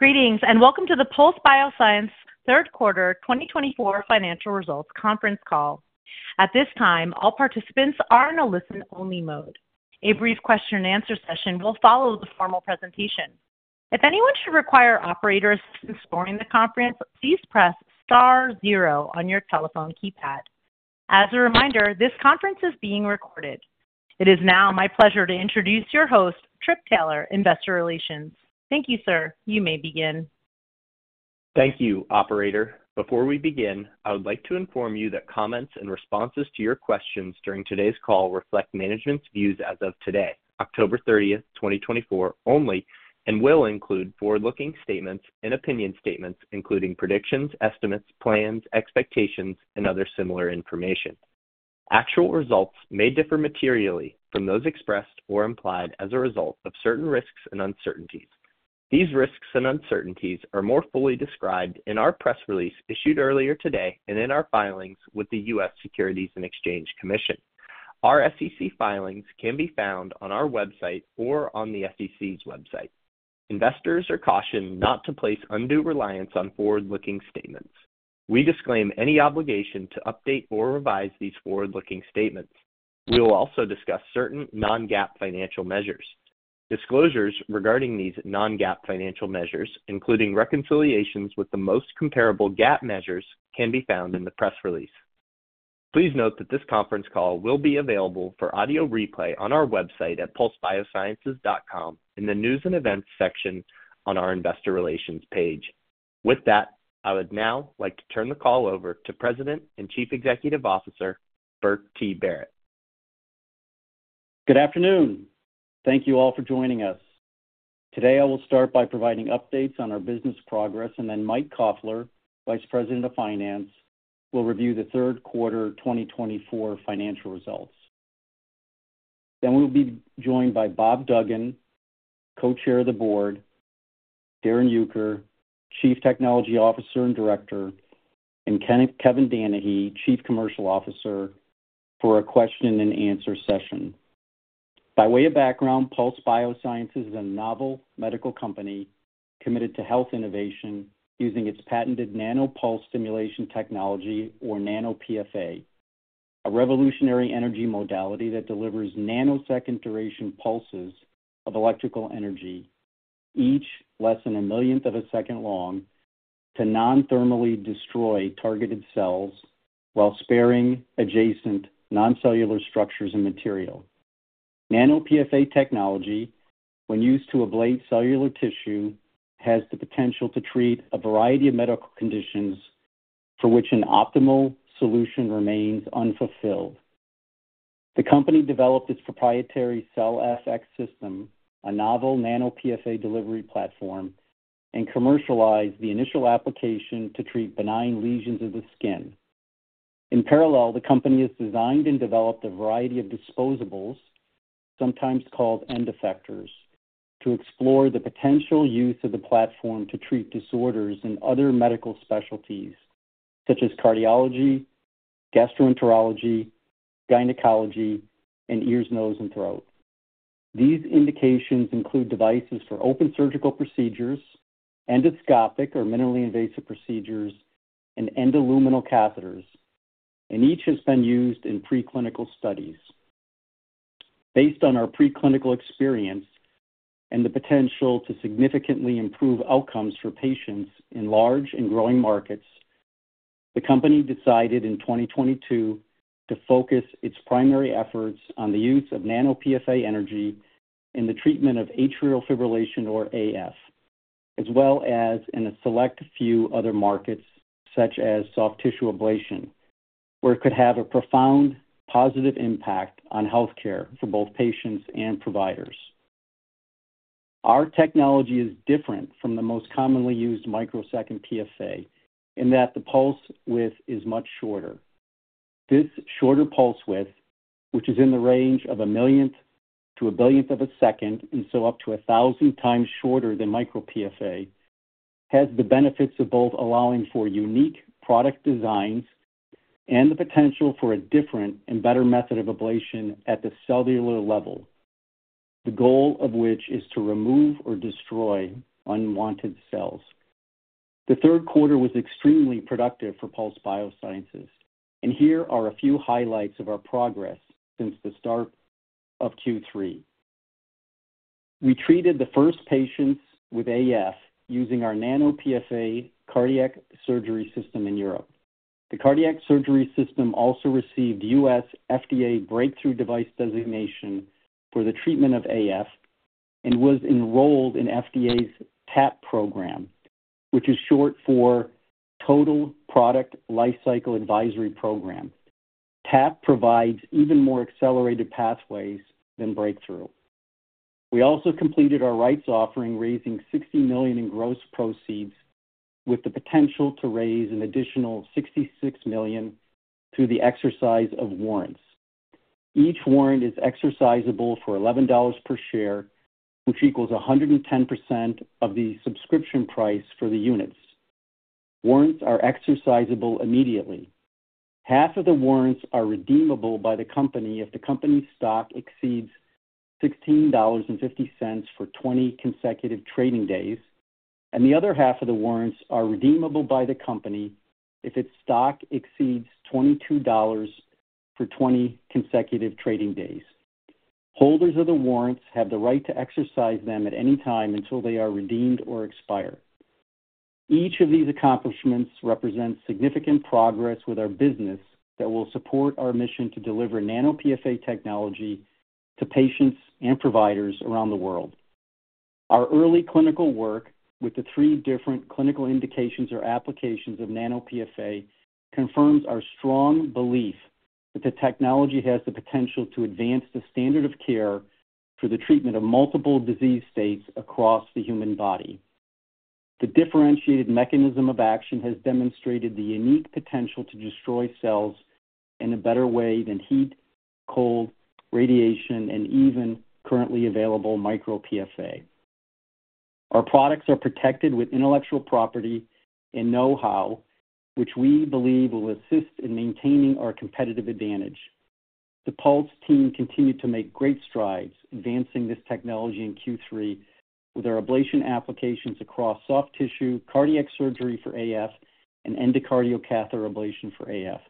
Greetings, and welcome to the Pulse Biosciences' third quarter 2024 financial results conference call. At this time, all participants are in a listen-only mode. A brief question-and-answer session will follow the formal presentation. If anyone should require operator assistance during the conference, please press star zero on your telephone keypad. As a reminder, this conference is being recorded. It is now my pleasure to introduce your host, Tripp Taylor, Investor Relations. Thank you, sir. You may begin. Thank you, Operator. Before we begin, I would like to inform you that comments and responses to your questions during today's call reflect management's views as of today, October 30, 2024, only, and will include forward-looking statements and opinion statements, including predictions, estimates, plans, expectations, and other similar information. Actual results may differ materially from those expressed or implied as a result of certain risks and uncertainties. These risks and uncertainties are more fully described in our press release issued earlier today and in our filings with the U.S. Securities and Exchange Commission. Our SEC filings can be found on our website or on the SEC's website. Investors are cautioned not to place undue reliance on forward-looking statements. We disclaim any obligation to update or revise these forward-looking statements. We will also discuss certain Non-GAAP financial measures. Disclosures regarding these non-GAAP financial measures, including reconciliations with the most comparable GAAP measures, can be found in the press release. Please note that this conference call will be available for audio replay on our website at pulsebiosciences.com in the News and Events section on our investor relations page. With that, I would now like to turn the call over to President and Chief Executive Officer, Burke T. Barrett. Good afternoon. Thank you all for joining us. Today, I will start by providing updates on our business progress, and then Mike Koffler, Vice President of Finance, will review the third quarter 2024 financial results. Then we'll be joined by Bob Duggan, Co-Chair of the Board, Darrin Uecker, Chief Technology Officer and Director, and Kevin Danahy, Chief Commercial Officer, for a question-and-answer session. By way of background, Pulse Biosciences is a novel medical company committed to health innovation using its patented Nano-Pulse Stimulation technology, or nano-PFA, a revolutionary energy modality that delivers nanosecond duration pulses of electrical energy, each less than a millionth of a second long, to non-thermally destroy targeted cells while sparing adjacent noncellular structures and material. nano-PFA technology, when used to ablate cellular tissue, has the potential to treat a variety of medical conditions for which an optimal solution remains unfulfilled. The company developed its proprietary CellFX System, a novel nano-PFA delivery platform, and commercialized the initial application to treat benign lesions of the skin. In parallel, the company has designed and developed a variety of disposables, sometimes called end-effectors, to explore the potential use of the platform to treat disorders in other medical specialties such as cardiology, gastroenterology, gynecology, and ears, nose, and throat. These indications include devices for open surgical procedures, endoscopic or minimally invasive procedures, and endoluminal catheters, and each has been used in preclinical studies. Based on our preclinical experience and the potential to significantly improve outcomes for patients in large and growing markets, the company decided in 2022 to focus its primary efforts on the use of nano-PFA energy in the treatment of atrial fibrillation, or AF, as well as in a select few other markets such as soft tissue ablation, where it could have a profound positive impact on healthcare for both patients and providers. Our technology is different from the most commonly used microsecond PFA in that the pulse width is much shorter. This shorter pulse width, which is in the range of a millionth to a billionth of a second, and so up to a thousand times shorter than microPFA, has the benefits of both allowing for unique product designs and the potential for a different and better method of ablation at the cellular level, the goal of which is to remove or destroy unwanted cells. The third quarter was extremely productive for Pulse Biosciences, and here are a few highlights of our progress since the start of Q3. We treated the first patients with AF using our nano-PFA cardiac surgery system in Europe. The cardiac surgery system also received U.S. FDA Breakthrough Device designation for the treatment of AF and was enrolled in FDA's TAP program, which is short for Total Product Life Cycle Advisory Program. TAP provides even more accelerated pathways than Breakthrough. We also completed our rights offering, raising $60 million in gross proceeds, with the potential to raise an additional $66 million through the exercise of warrants. Each warrant is exercisable for $11 per share, which equals 110% of the subscription price for the units. Warrants are exercisable immediately. Half of the warrants are redeemable by the company if the company's stock exceeds $16.50 for 20 consecutive trading days, and the other half of the warrants are redeemable by the company if its stock exceeds $22 for 20 consecutive trading days. Holders of the warrants have the right to exercise them at any time until they are redeemed or expire. Each of these accomplishments represents significant progress with our business that will support our mission to deliver nano-PFA technology to patients and providers around the world. Our early clinical work with the three different clinical indications or applications of nano-PFA confirms our strong belief that the technology has the potential to advance the standard of care for the treatment of multiple disease states across the human body. The differentiated mechanism of action has demonstrated the unique potential to destroy cells in a better way than heat, cold, radiation, and even currently available microPFA. Our products are protected with intellectual property and know-how, which we believe will assist in maintaining our competitive advantage. The Pulse team continued to make great strides advancing this technology in Q3 with our ablation applications across soft tissue, cardiac surgery for AF, and endocardial catheter ablation for AF.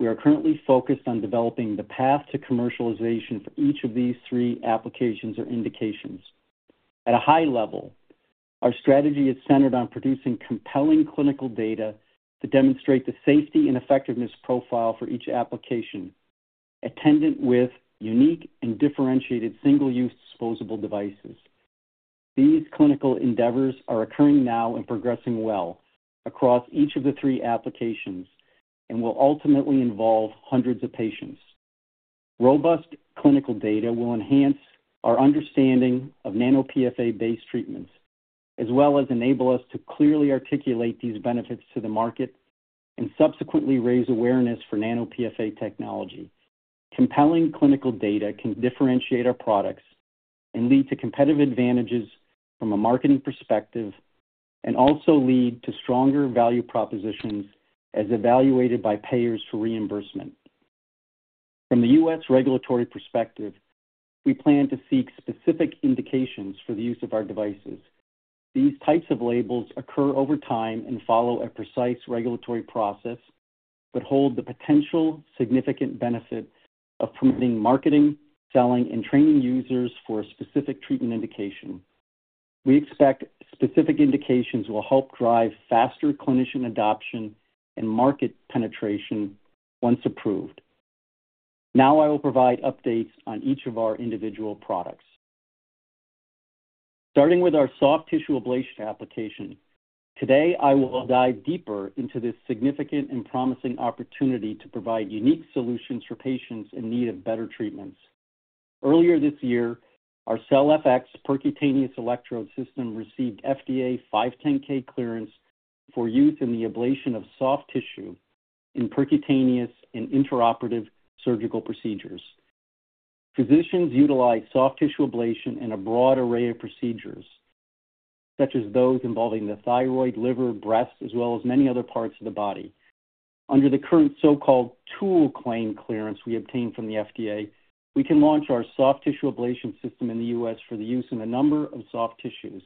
We are currently focused on developing the path to commercialization for each of these three applications or indications. At a high level, our strategy is centered on producing compelling clinical data to demonstrate the safety and effectiveness profile for each application, attendant with unique and differentiated single-use disposable devices. These clinical endeavors are occurring now and progressing well across each of the three applications and will ultimately involve hundreds of patients. Robust clinical data will enhance our understanding of nano-PFA-based treatments, as well as enable us to clearly articulate these benefits to the market and subsequently raise awareness for nano-PFA technology. Compelling clinical data can differentiate our products and lead to competitive advantages from a marketing perspective and also lead to stronger value propositions as evaluated by payers for reimbursement. From the U.S. regulatory perspective, we plan to seek specific indications for the use of our devices. These types of labels occur over time and follow a precise regulatory process but hold the potential significant benefit of promoting marketing, selling, and training users for a specific treatment indication. We expect specific indications will help drive faster clinician adoption and market penetration once approved. Now I will provide updates on each of our individual products. Starting with our soft tissue ablation application, today I will dive deeper into this significant and promising opportunity to provide unique solutions for patients in need of better treatments. Earlier this year, our CellFX Percutaneous Electrode System received FDA 510(k) clearance for use in the ablation of soft tissue in percutaneous and intraoperative surgical procedures. Physicians utilize soft tissue ablation in a broad array of procedures, such as those involving the thyroid, liver, breast, as well as many other parts of the body. Under the current so-called tool claim clearance we obtained from the FDA, we can launch our soft tissue ablation system in the U.S. for the use in a number of soft tissues.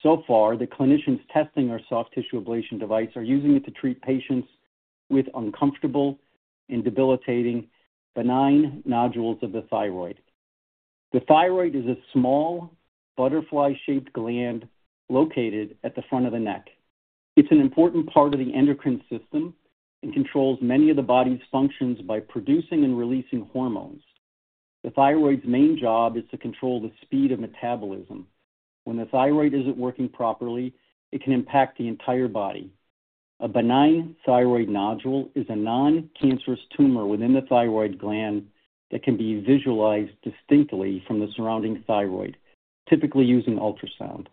So far, the clinicians testing our soft tissue ablation device are using it to treat patients with uncomfortable and debilitating benign nodules of the thyroid. The thyroid is a small butterfly-shaped gland located at the front of the neck. It's an important part of the endocrine system and controls many of the body's functions by producing and releasing hormones. The thyroid's main job is to control the speed of metabolism. When the thyroid isn't working properly, it can impact the entire body. A benign thyroid nodule is a non-cancerous tumor within the thyroid gland that can be visualized distinctly from the surrounding thyroid, typically using ultrasound.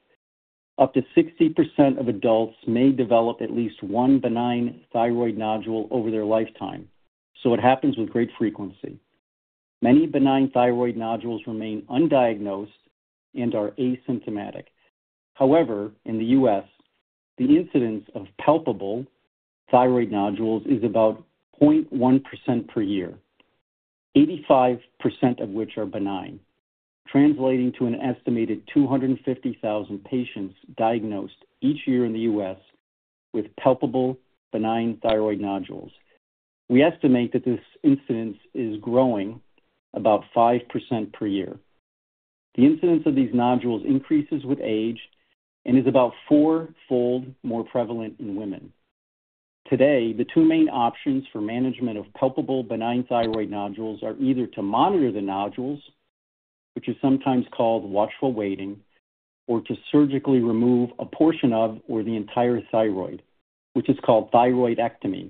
Up to 60% of adults may develop at least one benign thyroid nodule over their lifetime, so it happens with great frequency. Many benign thyroid nodules remain undiagnosed and are asymptomatic. However, in the U.S., the incidence of palpable thyroid nodules is about 0.1% per year, 85% of which are benign, translating to an estimated 250,000 patients diagnosed each year in the U.S. with palpable benign thyroid nodules. We estimate that this incidence is growing about 5% per year. The incidence of these nodules increases with age and is about four-fold more prevalent in women. Today, the two main options for management of palpable benign thyroid nodules are either to monitor the nodules, which is sometimes called watchful waiting, or to surgically remove a portion of or the entire thyroid, which is called thyroidectomy.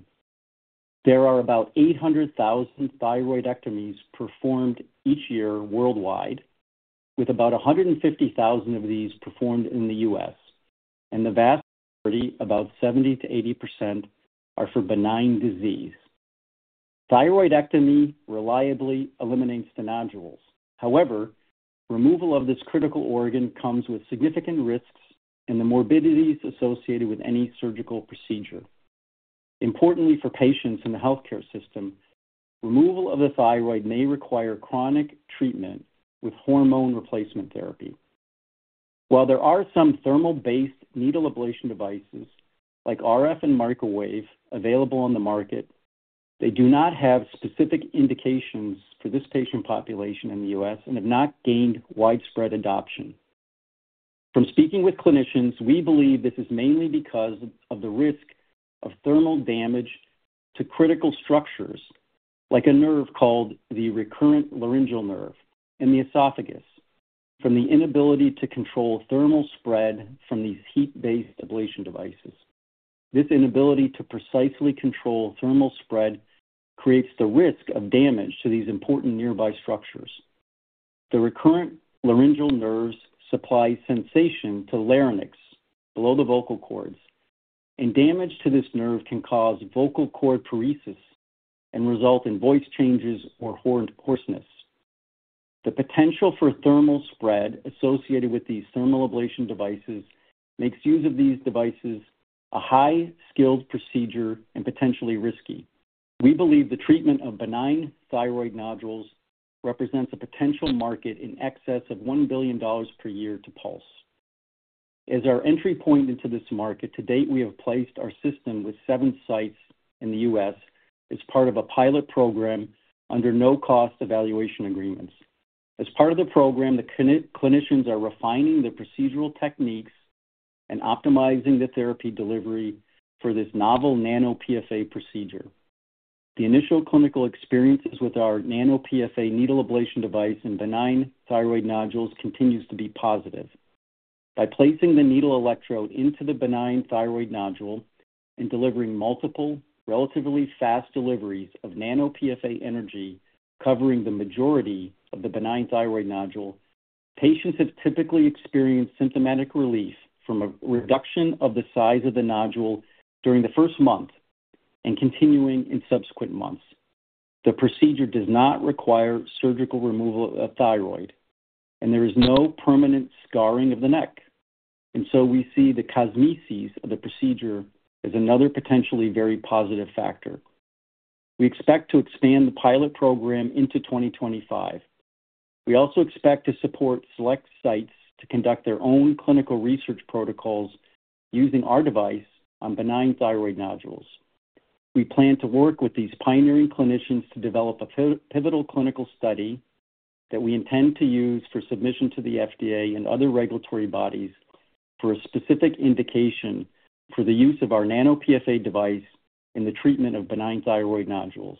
There are about 800,000 thyroidectomies performed each year worldwide, with about 150,000 of these performed in the U.S., and the vast majority, about 70%-80%, are for benign disease. Thyroidectomy reliably eliminates the nodules. However, removal of this critical organ comes with significant risks and the morbidities associated with any surgical procedure. Importantly for patients in the healthcare system, removal of the thyroid may require chronic treatment with hormone replacement therapy. While there are some thermal-based needle ablation devices like RF and microwave available on the market, they do not have specific indications for this patient population in the U.S. and have not gained widespread adoption. From speaking with clinicians, we believe this is mainly because of the risk of thermal damage to critical structures like a nerve called the recurrent laryngeal nerve and the esophagus from the inability to control thermal spread from these heat-based ablation devices. This inability to precisely control thermal spread creates the risk of damage to these important nearby structures. The recurrent laryngeal nerves supply sensation to larynx below the vocal cords, and damage to this nerve can cause vocal cord paresis and result in voice changes or hoarseness. The potential for thermal spread associated with these thermal ablation devices makes use of these devices a high-skilled procedure and potentially risky. We believe the treatment of benign thyroid nodules represents a potential market in excess of $1 billion per year to Pulse. As our entry point into this market, to date, we have placed our system with seven sites in the U.S. as part of a pilot program under no-cost evaluation agreements. As part of the program, the clinicians are refining the procedural techniques and optimizing the therapy delivery for this novel nano-PFA procedure. The initial clinical experiences with our nano-PFA needle ablation device in benign thyroid nodules continue to be positive. By placing the needle electrode into the benign thyroid nodule and delivering multiple, relatively fast deliveries of nano-PFA energy covering the majority of the benign thyroid nodule, patients have typically experienced symptomatic relief from a reduction of the size of the nodule during the first month and continuing in subsequent months. The procedure does not require surgical removal of thyroid, and there is no permanent scarring of the neck, and so we see the cosmesis of the procedure as another potentially very positive factor. We expect to expand the pilot program into 2025. We also expect to support select sites to conduct their own clinical research protocols using our device on benign thyroid nodules. We plan to work with these pioneering clinicians to develop a pivotal clinical study that we intend to use for submission to the FDA and other regulatory bodies for a specific indication for the use of our nano-PFA device in the treatment of benign thyroid nodules.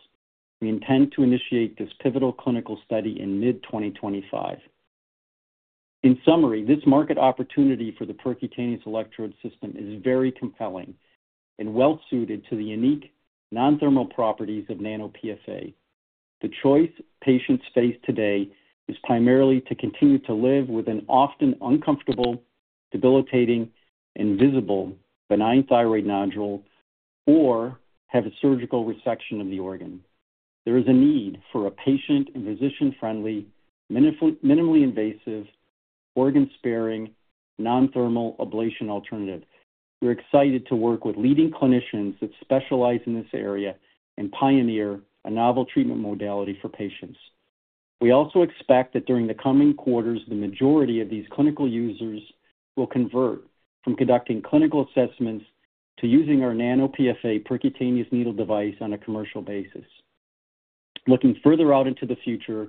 We intend to initiate this pivotal clinical study in mid-2025. In summary, this market opportunity for the percutaneous electrode system is very compelling and well-suited to the unique non-thermal properties of nano-PFA. The choice patients face today is primarily to continue to live with an often uncomfortable, debilitating, and visible benign thyroid nodule or have a surgical resection of the organ. There is a need for a patient and physician-friendly, minimally invasive, organ-sparing, non-thermal ablation alternative. We're excited to work with leading clinicians that specialize in this area and pioneer a novel treatment modality for patients. We also expect that during the coming quarters, the majority of these clinical users will convert from conducting clinical assessments to using our nano-PFA percutaneous needle device on a commercial basis. Looking further out into the future,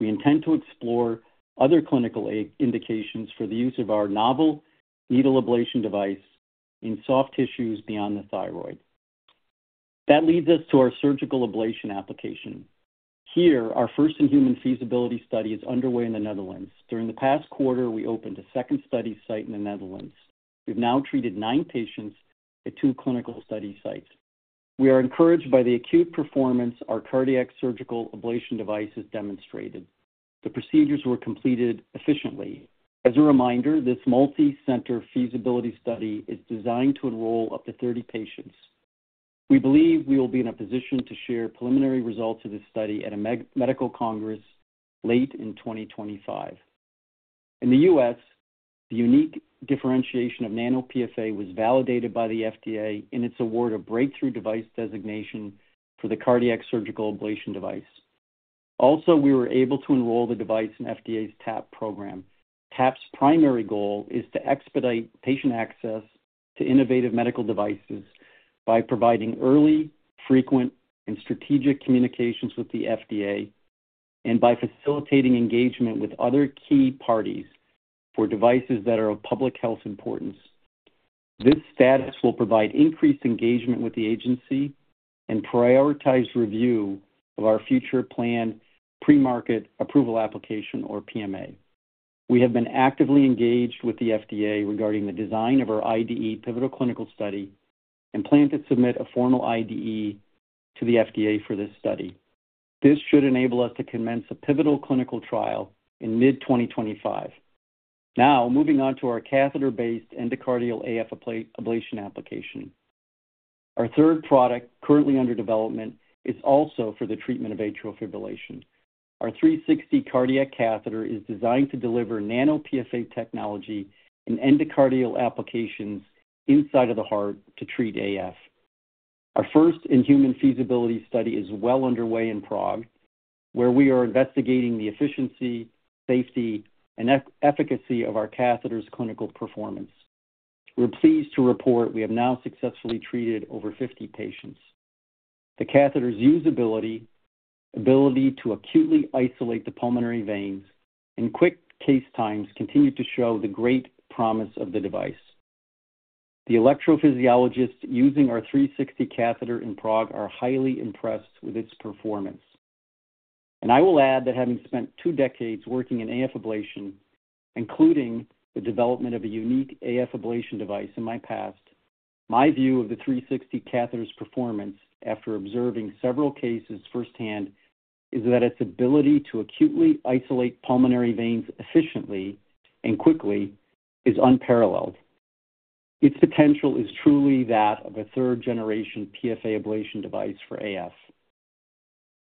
we intend to explore other clinical indications for the use of our novel needle ablation device in soft tissues beyond the thyroid. That leads us to our surgical ablation application. Here, our first-in-human feasibility study is underway in the Netherlands. During the past quarter, we opened a second study site in the Netherlands. We've now treated nine patients at two clinical study sites. We are encouraged by the acute performance our cardiac surgical ablation device has demonstrated. The procedures were completed efficiently. As a reminder, this multi-center feasibility study is designed to enroll up to 30 patients. We believe we will be in a position to share preliminary results of this study at a medical congress late in 2025. In the U.S., the unique differentiation of nano-PFA was validated by the FDA in its award of breakthrough device designation for the cardiac surgical ablation device. Also, we were able to enroll the device in FDA's TAP program. TAP's primary goal is to expedite patient access to innovative medical devices by providing early, frequent, and strategic communications with the FDA and by facilitating engagement with other key parties for devices that are of public health importance. This status will provide increased engagement with the agency and prioritized review of our future planned pre-market approval application, or PMA. We have been actively engaged with the FDA regarding the design of our IDE pivotal clinical study and plan to submit a formal IDE to the FDA for this study. This should enable us to commence a pivotal clinical trial in mid-2025. Now, moving on to our catheter-based endocardial AF ablation application. Our third product currently under development is also for the treatment of atrial fibrillation. Our 360 Cardiac Catheter is designed to deliver nano-PFA technology in endocardial applications inside of the heart to treat AF. Our first in-human feasibility study is well underway in Prague, where we are investigating the efficiency, safety, and efficacy of our catheter's clinical performance. We're pleased to report we have now successfully treated over 50 patients. The catheter's usability, ability to acutely isolate the pulmonary veins, and quick case times continue to show the great promise of the device. The electrophysiologists using our 360 Cardiac Catheter in Prague are highly impressed with its performance. I will add that having spent two decades working in AF ablation, including the development of a unique AF ablation device in my past, my view of the 360 catheter's performance after observing several cases firsthand is that its ability to acutely isolate pulmonary veins efficiently and quickly is unparalleled. Its potential is truly that of a third-generation PFA ablation device for AF.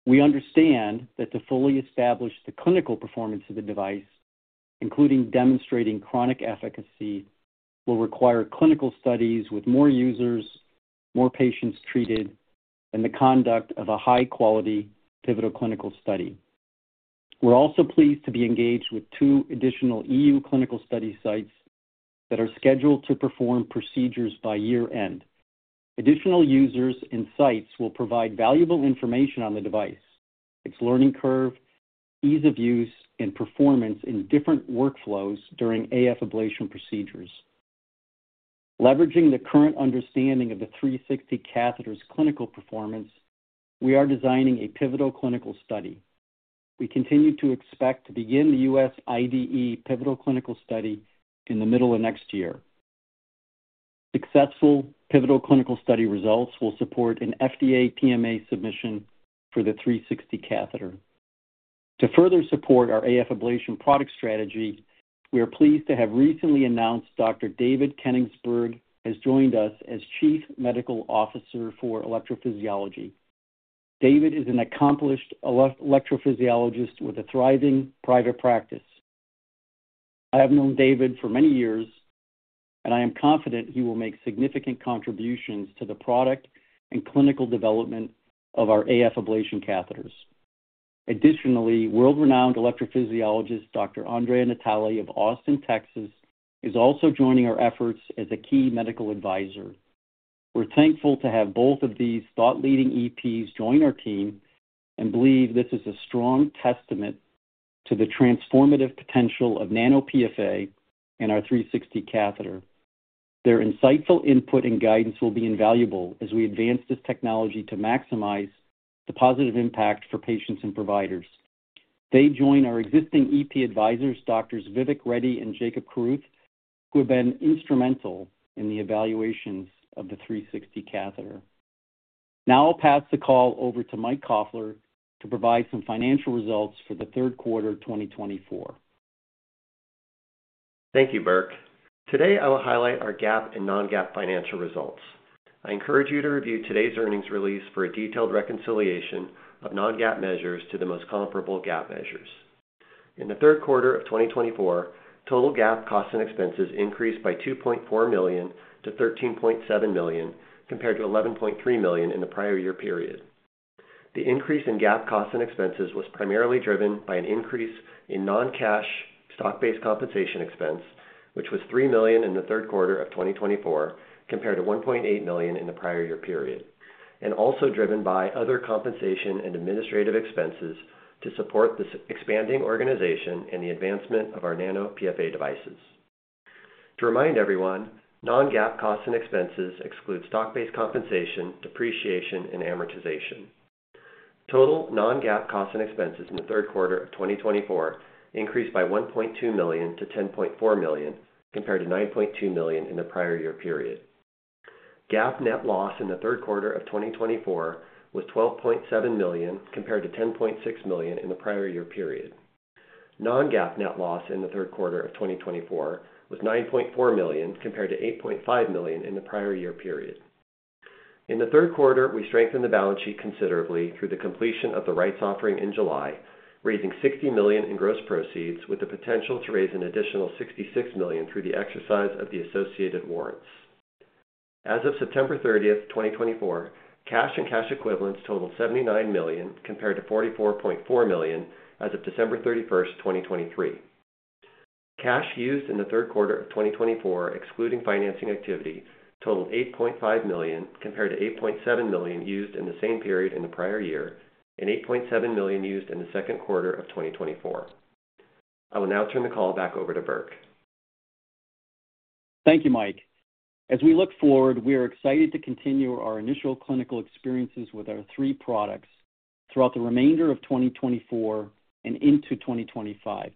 We understand that to fully establish the clinical performance of the device, including demonstrating chronic efficacy, will require clinical studies with more users, more patients treated, and the conduct of a high-quality pivotal clinical study. We're also pleased to be engaged with two additional EU clinical study sites that are scheduled to perform procedures by year-end. Additional users and sites will provide valuable information on the device, its learning curve, ease of use, and performance in different workflows during AF ablation procedures. Leveraging the current understanding of the 360 catheter's clinical performance, we are designing a pivotal clinical study. We continue to expect to begin the U.S. IDE pivotal clinical study in the middle of next year. Successful pivotal clinical study results will support an FDA PMA submission for the 360 catheter. To further support our AF ablation product strategy, we are pleased to have recently announced Dr. David Kenigsberg has joined us as Chief Medical Officer for Electrophysiology. David is an accomplished electrophysiologist with a thriving private practice. I have known David for many years, and I am confident he will make significant contributions to the product and clinical development of our AF ablation catheters. Additionally, world-renowned electrophysiologist Dr. Andrea Natale of Austin, Texas, is also joining our efforts as a key medical advisor. We're thankful to have both of these thought-leading EPs join our team and believe this is a strong testament to the transformative potential of nano-PFA and our 360 catheter. Their insightful input and guidance will be invaluable as we advance this technology to maximize the positive impact for patients and providers. They join our existing EP advisors, Drs. Vivek Reddy and Jacob Koruth, who have been instrumental in the evaluations of the 360 catheter. Now I'll pass the call over to Mike Koffler to provide some financial results for the third quarter of 2024. Thank you, Burke. Today, I will highlight our GAAP and non-GAAP financial results. I encourage you to review today's earnings release for a detailed reconciliation of non-GAAP measures to the most comparable GAAP measures. In the third quarter of 2024, total GAAP costs and expenses increased by $2.4 million-$13.7 million compared to $11.3 million in the prior year period. The increase in GAAP costs and expenses was primarily driven by an increase in non-cash stock-based compensation expense, which was $3 million in the third quarter of 2024 compared to $1.8 million in the prior year period, and also driven by other compensation and administrative expenses to support this expanding organization and the advancement of our nano-PFA devices. To remind everyone, non-GAAP costs and expenses exclude stock-based compensation, depreciation, and amortization. Total non-GAAP costs and expenses in the third quarter of 2024 increased by $1.2 million-$10.4 million compared to $9.2 million in the prior year period. GAAP net loss in the third quarter of 2024 was $12.7 million compared to $10.6 million in the prior year period. Non-GAAP net loss in the third quarter of 2024 was $9.4 million compared to $8.5 million in the prior year period. In the third quarter, we strengthened the balance sheet considerably through the completion of the rights offering in July, raising $60 million in gross proceeds with the potential to raise an additional $66 million through the exercise of the associated warrants. As of September 30, 2024, cash and cash equivalents totaled $79 million compared to $44.4 million as of December 31, 2023. Cash used in the third quarter of 2024, excluding financing activity, totaled $8.5 million compared to $8.7 million used in the same period in the prior year and $8.7 million used in the second quarter of 2024. I will now turn the call back over to Burke. Thank you, Mike. As we look forward, we are excited to continue our initial clinical experiences with our three products throughout the remainder of 2024 and into 2025.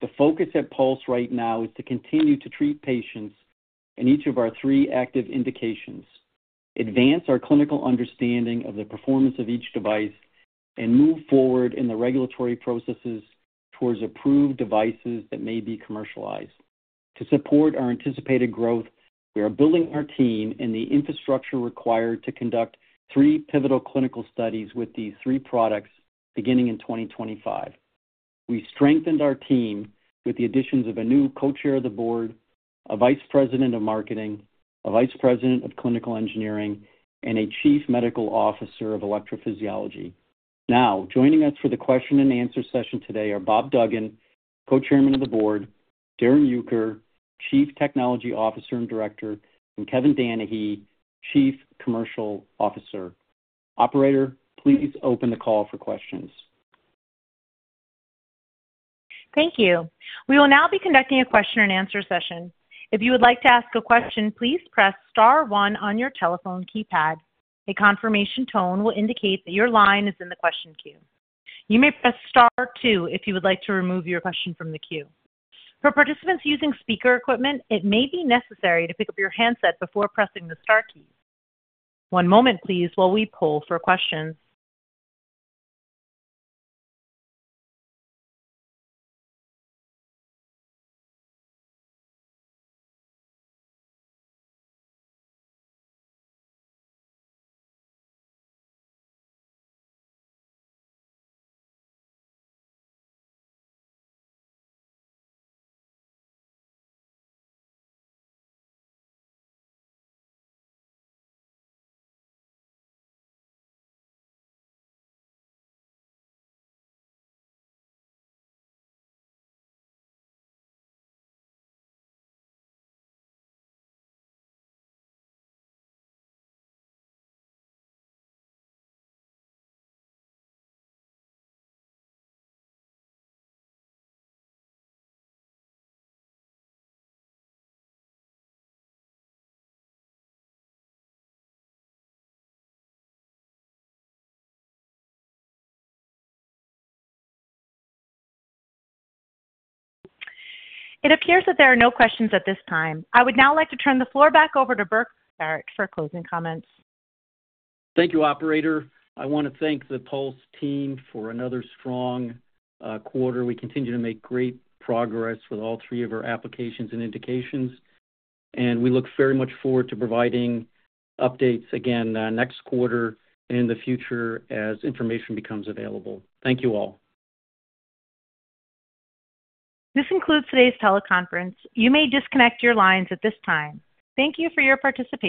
The focus at Pulse right now is to continue to treat patients in each of our three active indications, advance our clinical understanding of the performance of each device, and move forward in the regulatory processes towards approved devices that may be commercialized. To support our anticipated growth, we are building our team and the infrastructure required to conduct three pivotal clinical studies with these three products beginning in 2025. We strengthened our team with the additions of a new Co-Chair of the Board, a Vice President of Marketing, a Vice President of Clinical Engineering, and a Chief Medical Officer of Electrophysiology. Now, joining us for the question-and-answer session today are Bob Duggan, Co-Chairman of the Board, Darrin Uecker, Chief Technology Officer and Director, and Kevin Danahy, Chief Commercial Officer. Operator, please open the call for questions. Thank you. We will now be conducting a question-and-answer session. If you would like to ask a question, please press star one on your telephone keypad. A confirmation tone will indicate that your line is in the question queue. You may press star two if you would like to remove your question from the queue. For participants using speaker equipment, it may be necessary to pick up your handset before pressing the star key. One moment, please, while we poll for questions. It appears that there are no questions at this time. I would now like to turn the floor back over to Burke for closing comments. Thank you, Operator. I want to thank the Pulse team for another strong quarter. We continue to make great progress with all three of our applications and indications, and we look very much forward to providing updates again next quarter and in the future as information becomes available. Thank you all. This concludes today's teleconference. You may disconnect your lines at this time. Thank you for your participation.